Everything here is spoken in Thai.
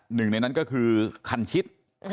หนึ่งในนั้นก็คือคันชิด